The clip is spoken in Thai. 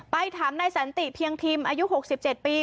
ถามนายสันติเพียงพิมพ์อายุ๖๗ปี